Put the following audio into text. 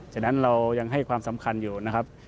ฉะนั้นเรายังให้ความสำคัญอยู่นะครับ